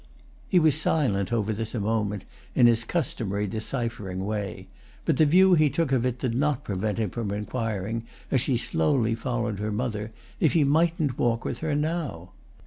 He was silent over this a moment, in his customary deciphering way; but the view he took of it did not prevent him from inquiring, as she slowly followed her mother, if he mightn't walk with her now.